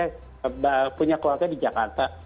saya punya keluarga di jakarta